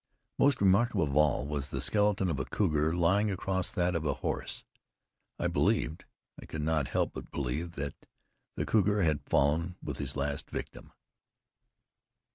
Most remarkable of all was the skeleton of a cougar lying across that of a horse. I believed I could not help but believe that the cougar had fallen with his last victim.